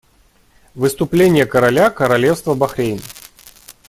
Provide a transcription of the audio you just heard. Выступление короля Королевства Бахрейн.